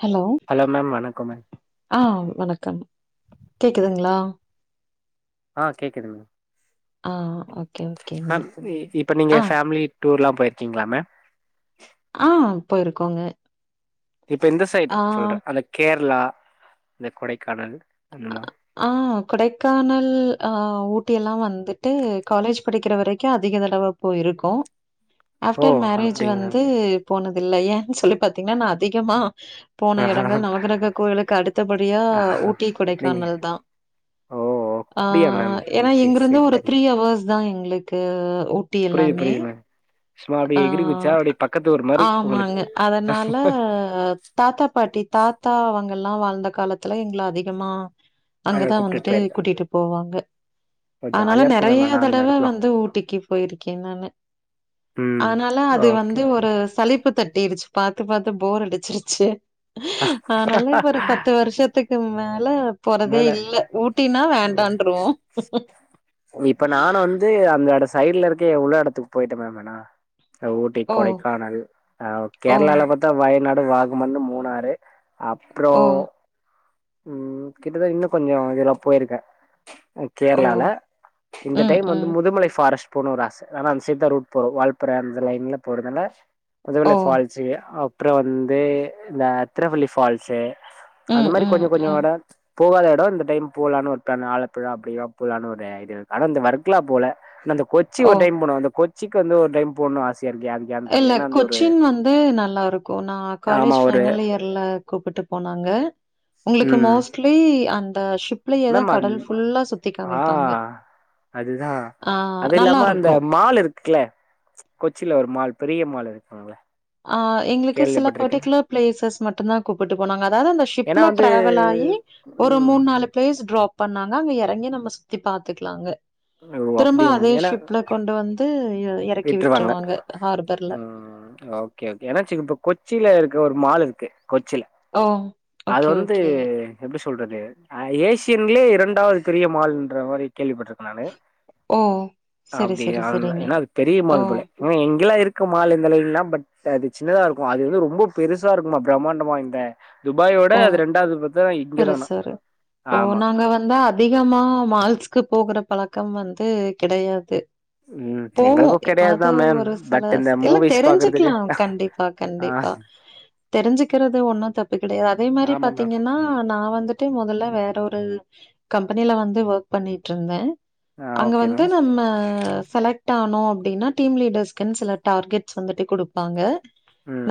Hello hello ma'am வணக்கோ மே ஆ வணக்கம் கேக்குதுங்ளா ஆ கேக்குது மேம் ஆ ஓகே ஓகேங்க. மேம் இ இப்ப நீங்க ஆ ஃபேமிலி டூர்லா போயிருக்கீங்களா மேம் ஆ போயிருக்கோங்க இப்ப இந்த சைடு ஆ சொல்றே அந்த கேரளா இந்த கொடைக்கானல் அதலா ஆ கொடைக்கானல் ஆ ஊட்டியெல்லா வந்துட்டு காலேஜ் படிக்கிற வரைக்கு அதிக தடவ போயிருக்கோ ஓ ஆஃப்டர் மேரேஜ் அப்டிங்களா வந்து போனதுல்ல ஏ சொல்லி பாத்தீங்கன்னா நா அதிகமா போன இடங்கள் நவகிரக கோயிலுக்கு அடுத்தபடியா ஊட்டி கொடைக் நீங்க கானல்தா ஓ ஆ அப்டியா மேம் ஏனா ஓகே இங்கிருந்து சரி ஒரு தண்ணி த்ரீ ஹவர்ஸ் தா எங்களுக்கு ஊட்டி புரியுது எல்லாமே புரியுது மேம் சும்மா ஆ அப்டியே எகிறி குதிச்சா அப்டியே பக்கத்து ஊர் மாரி உங்களுக்கு ஆமாங்க அதனால தாத்தா பாட்டி தாத்தா அவங்கல்லா வாழ்ந்த காலத்துல எங்கள அதிகமா அங்க அங்கதா கூப்ட்டுட்டு வந்துட்டு போயிருக்க கூட்டிட்டு போவாங்க அனால ஜாலியா இருக்கு மேம் நெறைய ஆனா அந்த தடவ எடத்துல வந்து ஊட்டிக்கு போயிருக்கே நானு ம் அனால அது ஓகே வந்து ஒரு சளிப்பு தட்டிருச்சு பாத்து பாத்து போர் அடிச்சிருச்சு அனால இப்ப ஒரு பத்து வருஷத்துக்கு மேல போறதே மேல இல்ல ஊட்டினா வேண்டான்ருவோ இது அந்த எட சைட்ல இருக்க எவ்ளோ எடத்துக்கு போயிட்டே மேம் அனா ஊட்டி ஓ! கொடைக்கானல் அ ஓ! கேரளால பாத்தா வயநாடு வாகமன் மூணாறு அப்றோ ஓ! ம் கிட்டத இன்னு கொஞ்சோ இதுல்லா போயிருக்கே ஓ! கேரளால இந்த ம், டைம் வந்து ம். முதுமலை ஃபாரஸ்ட் போனு ஒரு ஆச ஆனா அந்த சைட் ரூட் போறோ வால்பாற அந்த லைன்ல போறதுல ஓ! முதுமலை ஃபால் ஸூ அப்றோ வந்து இந்த திருவள்ளி ஃபால்ஸு ம் ம் ம் அ போகாத எடோ இந்த டைம் போலானு ஒரு ப்ளான் ஆலப்புழா அப்டிலா போலானு ஒரு ஐடியா ஆனா இந்த வர்குலா போல அந்த கொச்சி ஓ! ஒரு டைம் போனு அந்த கொச்சிக்கு வந்து ஒரு டைம் போனுன் ஆசையாருக்கு ஏ இல்ல கொச்சின் வந்து நல்லாருக்கு நா ஆமா காலேஜ் ஒரு ஃபைனல் இயர் இல்ல கூப்பிட்டு போனாங்க உங்களுக்கு ம் மோஸ்ட்லி அந்த ஷிப் லயேதா மேம் அந் கடல் ஃபுல்லா சுத்தி ஆ காமிப்பாங்க அதுதா ஆ அது இல்லாம அந்த நல்லாருக்கும். மால் இருக் குல கொச்சில ஒரு மால் பெரிய மால் இருக்குங்ள ஆ எங்களுக்கு சில பர்டிகுலர் பிளேசஸ் மட்டுந்தா கூப்புட்டு போனாங்க அதாது அந்த ஷிப்ல ஏன்னா வந்து டிராவல் ஆயி ஒரு ம் முண் நாலு பிளேஸ்சு ட்ராப் பண்ணாங்க அங்க எறங்கி நம்ம சுத்தி பாத்துக்கலா அங்க ஓ திரும்ப அப்டியா மேம் அதே ஏன்னா ஷிப்ல கொண்டு வந்து எ எறக்கி விட்ருவாங்க ஹார்பர்ல கே ஏனாச்சிங்க இப்ப கொச்சில இருக்க ஒரு மால் இருக்கு கொச்சில ஓ! அது ஓகே, வந்து ஓகே. எப்டி சொல்றது அ ஏசியன்லே இரண்டாவது பெரிய மால்லுன்ற மாரி கேள்விப்பட்ட நானு ஓ! சரி, அப்டியா சரி, அல் சரிங்க. ஏனா அது பெரிய ஓ! மால் போல இங்கெல்லா இருக்கு மால் இந்த லைன்லா பட் அது சின்னதா இருக்கு அது வந்து ரொம்ப பெருசா இருக்குமா பிரம்மாண்டமா இந்த துபாயோட ஓ! அது ரெண்டாது பெருசரு ஓ நாங்க வந்தா அதிகமா மால்ஸ்கு போகுற பழக்கம் வந்து கிடையாது ம் போவோ எங்களுக்கு கெடையாதுதா எப்பாது மேம் ஒரு பட் சில இந்த இல்ல மூவிஸ் பாக்குறதுக்கு தெரிஞ்சுக்லா கண்டிபா ஆ கண்டிபா தெரிஞ்சுக்கிறது ஒன்னு தப்பு கிடயாது அதே மாரி ஆமா மேம் பாத்தீங்கன்னா ஆ நா வந்துட்டு மொதல்ல வேற ஒரு கம்பெனில வந்து ஒர்க் பண்ணிட்ருந்தே ஆ அங்க ஓகே வந்து மேம் நம்ம செலக்ட் டானோ அப்டினா டீம் லீடர்ஸ்க்குனு சில டார்கட்ஸ் வந்துட்டு குடுப்பாங்க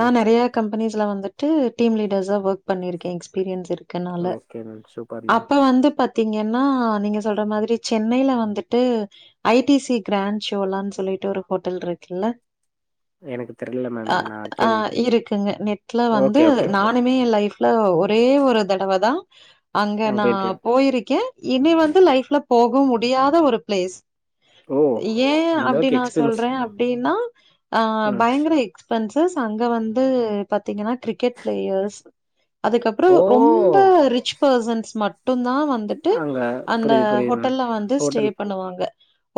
நா நெறைய கம் பெனிஸ்ல வந்துட்டு டீம் லீடர்ஸா ஒர்க் பண்ணிருக்கே எக்ஸ்பீரியன்ஸ் இருக் க்னால ஓகே மேம் சூப்பர் மேம் அப்ப வந்து பத் த்திங்கனா நீங்க சொல்ற மாதிரி சென்னைல வந்துட்டு ஐ டி சி கிராண்ட் ஷோலான் சொல்லிட்டு ஒரு ஹோட்டல்ருக்குல்ல எனக்கு தெர்ல மேம் அ நா ஆ கேள்வி இருக்குங்க நெட்ல வந்து ஓகே ஓகே மேம் நா ன்னுமே என் லைஃப்ல ஒரே ஒரு தடவ தா அங்க நா போயிருக்கே இனி வந்து லைஃப்ல போககு முடியாத ஒரு பிளேஸ் ஓ ஏன் அந்த அப்டி அளவுக்கு நா எக்ஸ்பென்ஸ் சொல்ற அப்டினா ஆ ம் பயங்கர எக்ஸ் பன்சஸ் அங்க வந்து பாத்திங்கனா கிரிக்கெட் பிளேயர்ஸ் அதுக்கப்றோ ஓ ரொம்ப ரிச் பர்சன்ஸ் மட்டுந்தா வந் வந்துட்டு அங்க அந்த புரியுது புரியுது மேம் ஹோட்டல வந்து ஸ்டே ஹோட்டல் பண்ணுவாங்க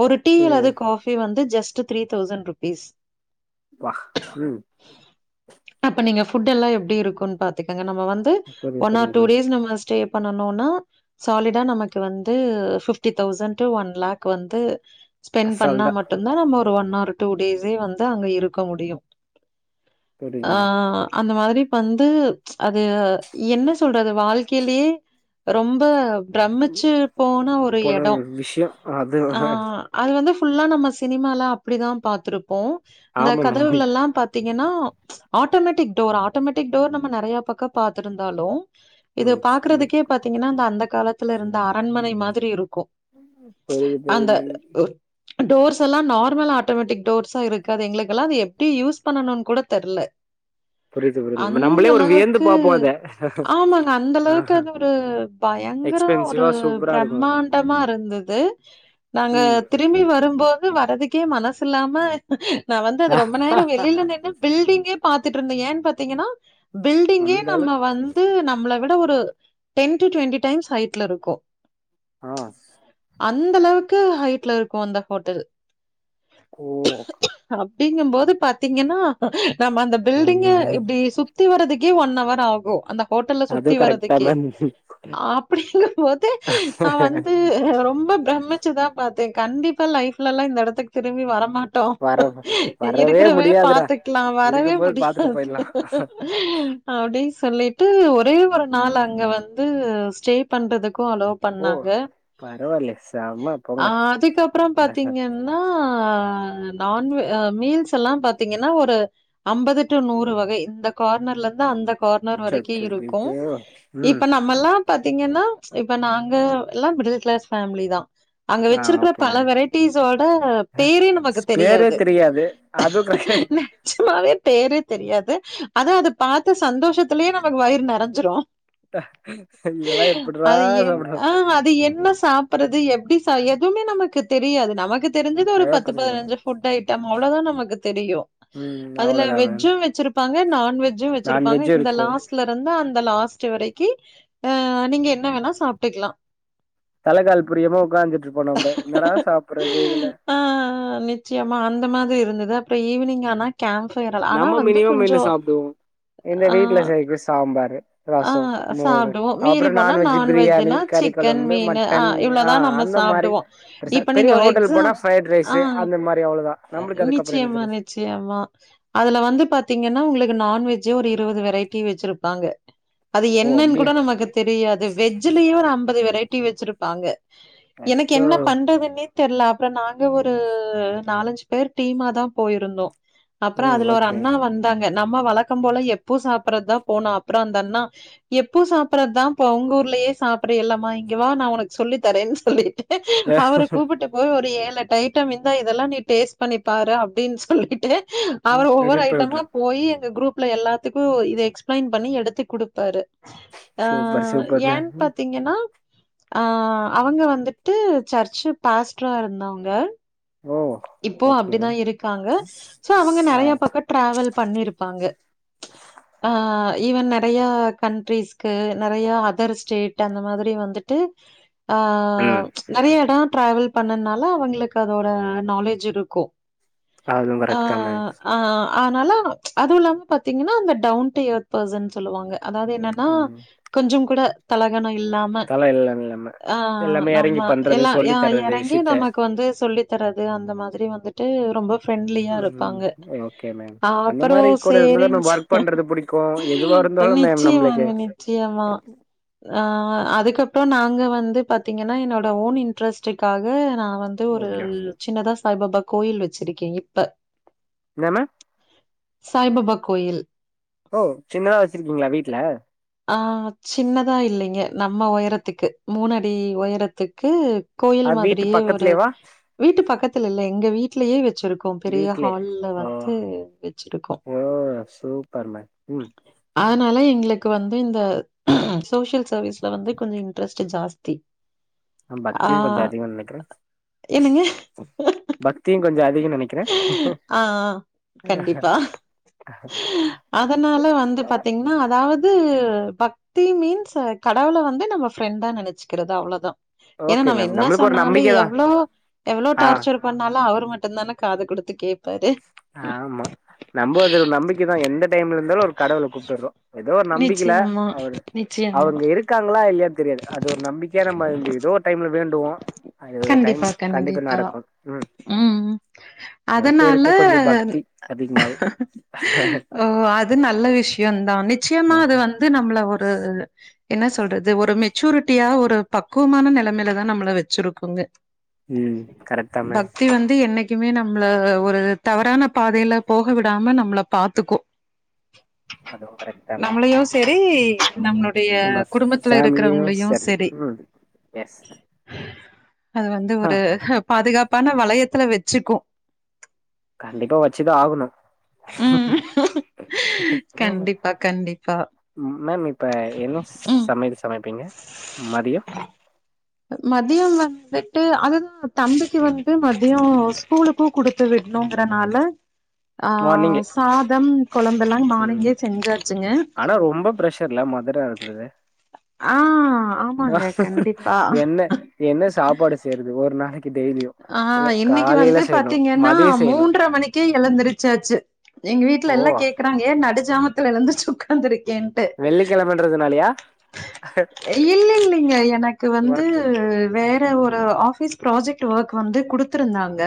ஒரு டீ ஓ அல்லது காஃபி வந்து ஜஸ்ட் த்ரீ தௌசண்ட் ரூபீஸ் ப்பா ம் அப்ப நீங்க ஃபுட்டெல்லா எப்டிருக்குன் பாத்துக்கங்க நம்ம வந்து புரியுது ஒன் ஆர் டூ புரியுதுங்க டேஸ் நம்ம ஸ்டே பண்ணனோனா சாலிடா நமக்கு வந்து fifty thousand to one lakh வந்து ஸ்பெண்ட் பண்ணா அசால்டா மட்டுந்தா நம்ம ஒரு ஒன் ஆர் டூ டேஸே வந்து அங்க இருக்க முடியு ஆ புரியுதுங்க அந்த மாதிரி வந்து அது என்ன சொல்றது வாழ்க்கைலே ரொம்ப பிரமிச்சு போன ஒரு போன எடோ விஷயம் அது ஆ அது வந்து ஃபுல்லா நம்ம சினிமால அப்டிதா பாத்ருப்போ இந்த ஆமா மேபி கதவுகலெல்லா பாத் பாத்திங்கன்னா ஆட்டோமேட்டிக் டோர் ஆட்டோமேட்டிக் டோர் நம்ம நெறையா பக்க பாத்துருந்தாலு இது ம் பட் பாக்குறதுக்கே பாத்திங்கனா அந்த அந்த காலத்துல இருந்த அரண்மனை மாதிரி இருக்கு புரியுது அந்த புரியுதுங்க உ டோர்ஸ் எல்லா நார்மல் ஆட்டோமேட்டிக் டோர்ஸா இருக்காது எங்ளுக்கெல்லா அது எப்டி யூஸ் பண்ணணுன் கூட தெர்ல புரிது புரிதும் அந்த நம்மளே ஒரு வியந்து அளவுக்கு பாப்போ அத ஆமாங்க அந்த அளவுக்கு ஆஹா அது ஒரு பயங்கர ஒரு எக்ஸ்பென்சிவா சூப்பரா இருக்கும் பிரம்மாண்டமா இருந்தது நாங்க ம் திப் திரும்பி வரும்போது வரதுக்கே மனசில்லாம நா வந்து அத ரொம்ப நேரோ வெளில நின்னு பில்டிங்கே பாத்துட்ருந்தே ஏன் பாத்திங்கனா பில்டிங்கே வந்தாலும் நம்ம வந்து நம்ள விட ஒரு டென் டு ட்வெண்டி டைம்ஸ் ஹைட்ல இருக்கு ஆஸ் அந்தளவுக்கு ஹைட்ல இருக்கு அந்த ஹோட்டல் ஓ அப்டிங்கம்போது பாத்தெங்கனா நம்மந்த பில்டிங்க இப்டி சுத்தி வரதுக்கே ஒன்னவர் ஆகூ அந்த ஹோட்டல்ல அதுவும் சுத்தி கரெக்டா வரதுக்கே தான் அப்டிங்கும் போது நா வந்து ரொம்ப பிரம்மி சுதா பாத்தே கண்டிப்பா லைஃப்லலா இந்தெடத்துக் திரும்பி வர மாட் டோ வர வரவே இருக்றவே முடியாதுடா பாத்துக்லா வரவே இருக்கும்போது பாத்துட்டு முடியாது போயிடலாம் அப்டிஸ் சொல்லிட்டு ஒரே ஒரு நாள் அங்க வந்து ஸ்டே பண்றதுக்கு அளோ ஓ பண்ணாங்க பரவாயில்ல செம ஆ போங்க அதுக்கப்றோ பாத்தெங்கன் னாஹ் நான்வெ அ மீல்ஸெல்லா பாத்தெங்கன்னா ஒரு ஐம்பது டு நூறு வகை இந்த கார்னர்லந்து அந்த கார்னர் வரைக்கு இருக்கு அச்சச்சோ ம் இப்ப நா மல்லா பாத்திங்கன்னா இப்ப நாங்க எல்லா மிடில் கிளாஸ் பேஃம்லிதா அங்க ஆ வச்சிருக்ற ஓகே மேம் பல வெரைட்டீஸோட பேரே நமக்கு பேரே தெரியாது அது ந ச்சமாவே பேரே தெரியாது அதா அத பாத்த சந்தோஷத்துலையே நமக்கு வயிறு நெரஞ்சிரூ இதெல்லா எப்புட்றா அது என் சாப்ட ஆஹ் அது என்ன சாப் புறது எப்டி ச எதுமே நமக்கு தெரியாது நமக்கு தெரிஞ்சது ஒரு அதா பத்து பாத்துக்கங்க பதினஞ்சு ஃபுட் ஐட்டம் அவ்ளோதா நமக்கு தெரியு ம் அதுல அவ்ளோதா மேம் வெஜ்ஜு வெச்சிருப்பாங்க நான்வெஜ் நான்வெஜ்ஜு இருக்கு ஸ்லருந்து அந்த லாஸ்டு வரைக்கி அஹ் நீங்க என்ன வேணா சாப்டுக்லா தலைக்கால் புரியாம உக்காந்துட்ருப்போ நம்ம என்னடா சாப்புட்றது இதுல ஆஹ் நிச்யமா அந்த மாதிரி இருந்தது அப்றொ ஈவினிங் ஆனா கேம்ப்ஃபயரல் ஆனா வந்து கொஞ்சோ இந்த வீட்ல செரிக்கு சாம்பாரு ஆ ரசொ மோரு சாப்டுவோம். மீறி அப்றோ போனா நான்வெஜு பிரியாணி நான்வெஜ்னா கறி சிக்கன், கொழம்பு மீனு ஆ மட்டன் ஆ இவ்ளோதான் நம்ம அந்த மாரி சாப்டுவோம். பெருசா இப்ப பெரிய நீங்க ஒரு ஹோட்டல் எக்ஸாம் போனா ஃபைட் ஆ ரைஸூ அந்த மாரி அவ்ளோதா நம்ளுக்கு அதுக்கப்றோ என்னத்த பே சியமா அதுல வந்து பாத்திங்கனா உங்ளுக்கு நான்வெஜ்ஜே ஒரு இருவது வெரைட்டி வெச்சிருப்பாங்க அது ஓ என்னன் கூட அப்டியா நமக்கு தெரியாது வெஜ்ஜுலயு ஒரு ஐம்பது வெரைட்டி வெச்சிருப்பாங்க எனக்கு அச்சோ என்ன பண்றதுன்னே தெர்ல அப்றொ நாங்க ஒரு நாலஞ்சு பேர் டீமாதா போயிருந்தோ அப்றோ ம் அதுல ஒரு ஓகே அண்ணா வந்தாங்க நம்ம வழக்கம் போல எப்போ சாப்புட்றதா போனோ அப்புறோ அந்தண்ணா எப்போ சாப்புட்றதாம்ப்பா ஒங்கூர்லயே சாப்புட்றயெல்லமா இங்கவா நா ஒனக் சொல்லி தரேன்னு சொல்லிட்டு எ அவரு கூப்புட்டுப் ஓ ஒரு ஏழெட்டைட்டம் இந்தா இதெல்லா நீ டேஸ்ட் பண்ணிப்பாரு அப்டின் சொல்லிட்டு ம் அவர் ஒவ்வொரு எடிட் பண்ணி விட்றே ஐட்டமா போய் எங்க குரூப்ல எல்லாத்துக்கு இது எக்ஸ்பிளைன் பண்ணி எடுத்து குடுத்தாரு ஆ சூப்பர் சூப்பர் மேம் ஏன் பாத்தீங்கன்னா ஆ அவங்க வந்துட்டு சர்ச் பாஸ்ட்ரா இருந்தவங்க ஓ இப்போவு ஓகே அப்டிதா மேம் இருக்காங்க சோ அவங்க ஆ நெறைய பக்கோ டிராவல் பண்ணிருப்பாங்க ஆ ஈவன் நெறையா கண்ட்ரிஸ்க்கு நெறையா அதர் ஸ்டேட் அந்த மாதிரி வந்துட்டு ஆ ம் நெறைய எடோ டிராவல் பண்ணனால அவங்களுக்கு அதோட நாலேஜ் இருக்கு அதுவு ஆ கரெக்ட் தா மேம் ஆ அதனால அதுவு இல்லாம பாத்தீங்கன்னா அந்த டவுன் டு இயர்த் பர்சன் சொல்லுவாங்க அதாவ்து என்னனா ம் கொஞ்சம் கூட தலகணம் இல்லாம் ம தலயில்ல இல்லாம ஆ எல்லாமே நம்ம எறங்கி பண்றது எல்லா ய சொல்லி தர்றது எறங்கி விஷயத்த நமக்கு வந்து சொல்லி தறது அந்த மாதிரி வந்துட்டு ரொம்ப ஃப்ரெண்ட்லியா ம் இருப்பாங்க ஓகே மேம் ஆ அந்த அப்பறோ மாரி கூட இருந்ததா சரின் மேம் சொ ஒர்க் பண்றது புடிக்கு எதுவா இருந்தாலு மேம் நம்ளுக்கு நிச்சயமாங்க நிச்சயமா ஆ அதுக்கப்பறோ நாங்க வந்து பாத்தீங்கன்னா என்னோட ஓன் இன்ட்ரெஸ்டுக்காக நா வந்து டு ஒரு ஓகே சின்னதா சாய்பாபா கோயில் வச்சிருக்கே இப்ப என்னாம சாய்பாபா கோயில் ஓ சின்னதா வச்சிருக்கீங்களா வீட்ல ஆ சின்னதா இல்லைங்க நம்ம ஒயரத்துக்கு மூணடி ஒயரத்துக்கு கோயில் அது வீட்டு மாதிரியே ஒரு பக்கத்துலேவா வீட்டு பக்கத்துல இல்ல எங்க வீடலயே வச்சிருக் கோ பெரிய வீட்லே ஹால்ல ஓ வந்து வெச்சிருக்கோ ஓ சூப்பர் மேம் ம் அதனால எங்களுக்கு வந்து இந்த சோசியல் சர்வீஸ்ல வந்து கொஞ்சொ இன்ட்ரெஸ்ட் ஜாஸ்தி ஆ பக்தியு கொஞ்சொ அதிகொ நெனைக்கிறே என்னங்க? பக்தியு கொஞ்சொ அதிகோ நெனைக்கிறே ஆ கண்டிப்பா அதனால வந்து ஆ பாத்தீங்கன்னா அதாவ்து பக் தி மீன்ஸ் அ கடவுள வந்து நம்ம ஃப்ரெண்டா நெனைச்சுக்கிறது அவ்ளோதா ஏனா ஓகே நம்ம மேம் என்ன நம்மளுக்கு ஒரு சொன்னாலு நம்பிக்க தா எவ்ளோ எவ்ளோ ஆ டார்ச்சர் பண்ணாலு அவரு மட்டுந்தானே காது குடுத்து கேப்பாரு ஆமா நம்ப அதொரு நம்பிக்கதா எந்த டைம்ல இருந்தாலு ஒரு கடவுள கூப்ட்டுறோ எதோ ஒரு நம்பிக்கைல நிச்சயமா, அவர் நிச்சயமா. அவங்க இருக் காங்களா இல்லையனு தெரியாது அது ஒரு நம்பிக்கையா நம்ம இந்த எதோ ஒரு டைம்ல வேண்டுவோ அ இதோது டைம் கண்டிப்பா நடக்கும் ம் ம் எனக்கு அதனால இருக்கு கொஞ்சோ பக்தி அதிகமாவே ஓ அது நல்ல விஷயோந்தா நிச்சயமா அது வந்து நம்மள ஒ ரு என்ன சொல்றது ஒரு மெச்சூரிட்டியா ஒரு பக்குவமான நிலைமைல தா நம்மள வச்சிருக்குங்க ம் கரெக்ட் தா மேம் பக்தி வந் து என்னைக்குமே நம்மள ஒரு தவறான பாதைல போக விடாம நம்மள பாத்துக்கூ அதுவு கரெக்ட் தா மேம் நம்மளையு சரி நம்மளோ டைய நம்ம குடும்பத்துல ஃபேமிலியு இருக்குறவங்களையு சரி ம் எஸ் அது வந்து ஆ ஒரு பாதுகாப்பான வளையத்துல வச்சுக்கு கண்டிப்பா வச்சுதா ஆகணு ம். [unintelligible] இக்கா ம் மேம் இப்ப என்ன சமையல் சமைப்பீங்க மதியொ மத்தியொம் வந்துட்டு அதுதா தம்பிக்கு வந்து மத்தியோ ஸ்கூலுக்கு குடுத்து விட்ணுங்கறனால ஆ மார்னிங்கே சாதம் கொழம்பெல்லா ம் மானிங்கே செஞ்சாச்சுங்க ஆனா ரொம்ப ப்ரெஷர்ல மதுர இருந்தது ஆ ஆமாங்க கண்டிப்பா என்ன என்ன சாப்பாடு செய்றது ஒரு நாளெக்கி டெய்லியு ஆ இல்ல இன்னெக்கி காலையில வந்து செய்யணு பாத்தீங்கன்னா மதிய செய்யணு மூன்றர மணிக்கே எழுந்துருச்சாச்சு எங்க ஓ வீட்ல எல்லா கேக்றாங்க ஏன் நடுஜாமத்துல எழுந்துருச்சு உக்காந்துருக்கேன் வெள்ளிக்கெழமன்றதுனாலயா இல் இல் இல்லெங்க எனக்கு வந்து ஒர்க்கு வே ட ஒரு ஆஃபீஸ் ப்ராஜெக்ட் வேர்க் வந்து குடுத்திருந்தாங்க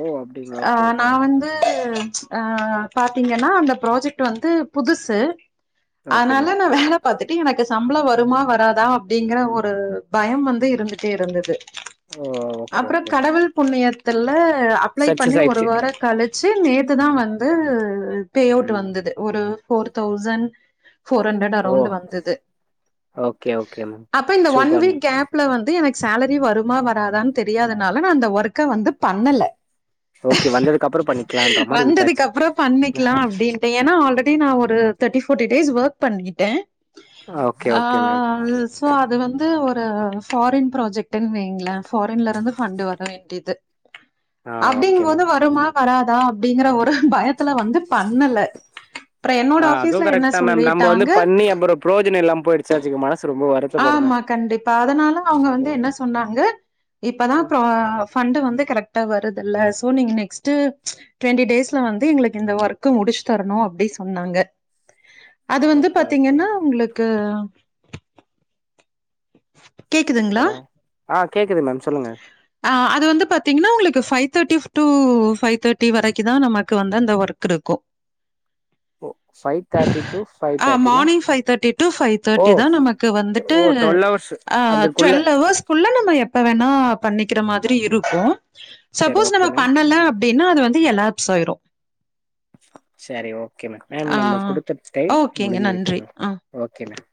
ஓ அப்டிங்களா ஆ ஓகே ஓகே நா மேம் வந்து ஆ பாத்தீங்கன்னா அந்த ப்ராஜெக்ட் வந்து புதுசு ஓகே அத்னால மேம் நா வேல பாத்துட்டு எனக்கு சம்ளோ வருமா வராதா அப்டிங்கற ஒரு பயம் வந்து இருந்துட்டே இருந்துது ஓ ஓகே அப்பொறொ ஓகே மேம் கடவுள் புண்ணியத்துல அ அப்ளை பண்ணி சக்சஸ் ஒரு ஆயிடுச்சு வாரொ கழிச்சு நேத்து தா வந்து பே அவுட் ம் வந்தது ஒரு ஃபோர் தௌசண் ஃபோர் ஹண்ட்ரட் ஓ அரௌண்ட் வந்தது ஓகே ஓகே மேம் அப்ப இந்த one super week ma'am gap ல வந்து எனக்கு சேலரி வருமா வராதான்னு தெரியாதனால நா அந்த வர்க்க வந்து பண்ணல ஓகே வந்ததுக்கு அப்புறோ பண்ணிக்கலான்ற மாரி வந்ததுக்கு விட்டாச்சு அப்றொ பண்ணிக்லா அப்பிடின் டெ எனா ஆல்ரெடி நா ஒரு தேட்டி ஃபோட்டி டேஸ் வேர்க் பண்ணிட்டே ஓகே ஓகே மேம் ஆல்ஸ் கோ அது வந்து ஒரு ஃபாரின் ப்ராஜெக்ட்ன்னு வைங்களே ஃபாரின்ல இருந்து ஃபண்டு வர வேண்டிது ஆ ஓகே மேம் அப்டிங்கும்போது வருமா வராதா அப்டிங்கற ஒரு பயத்துல வந்து பண்ணல அப்றொ என்னோட ஆ ஆஃபீஸ்ல என்ன சொல்லிட்டாங்க ப்ரோஜனொ இல்லாம போய்டுச்சாச்சு மனசு ரொம்ப வரு ஆமா கண்டிப்பா அதனால அவ்ங்க வந்து என்ன சொன்னாங்க இப்பதா ம் ப்ரா ஃபண்டு வந்து கரக்ட்டா வருது இல்ல சோ நீங்க நெக்ஸ்ட்டு ட்வெண்ட்டி டேஸ்ல வந்து எங்களுக்கு இந்த வர்க்கு முடுச்சு தரணு அப்பிடி சொன்னாங்க அது வந்து ஓகே ஓகே பாத்தீங்கன்னா உங்களுக்கு கேக்குதுங்களா? கொற ஆ கேக்குது மேம் சொல்லுங்க அ அது வந்து பாத்தீங்கன்னா உங்களுக்கு ஃபைவ் தேட்டி ஃப் டூ ஃபைவ் தேட்டி வரக்கு தா நமக்கு வந்து அந்த வர்க் இருக்கு ஓ ஃபைவ் தேர்ட்டி டு ஃபைவ் ஆ தேர்ட்டினா மானிங் ஃபைவ் தேட்டி டூ ஃபைவ் ஓ தேட்டி தா நமக் கு வந்துட்டு ஓ டுவெல் ஹவர்ஸ் ஆ அதுக்குள்ள ட்வெல் ஹவர்ஸ் குள்ள நம்ம எப்ப வேணா பண்ணிக்கெற மாதிரி இருக்கு சரி சப்போஸ் நம்ம ஓகே மேம் பண்ணல அப்டின்னா அது வந்து எலாப்ஸ் ஆய்ரு செரி ஓகே மேம் மேம் ஆ. நம்ம குடுத்த டைம் ஓகேங்க. முடுஞ்சி விட்டது நன்றி. மேம் ஆ. Okay ma'am